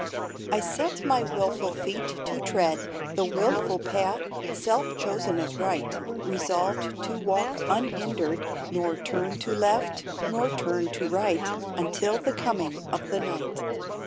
I set my wilful feet to tread The wilful path self chosen as right, Resolved to walk unhindered, Nor turn to left, nor turn to right, Until the coming of the night.